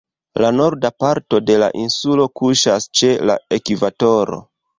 La Norda parto de la insulo kuŝas ĉe la ekvatoro.